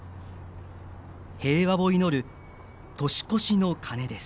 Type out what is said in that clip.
平和を祈る年越しの鐘です。